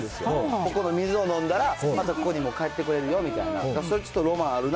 ここの水を飲んだら、またここにも帰ってこれるっていうような。